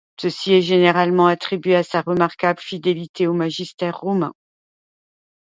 Ceci est généralement attribué à sa remarquable fidélité au magistère romain.